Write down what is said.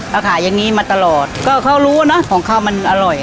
ขายอย่างนี้มาตลอดก็เขารู้เนอะของเขามันอร่อย